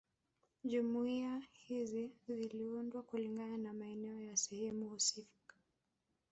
Jumuiya hizi ziliundwa kulingana na maeneo ya sehemu husika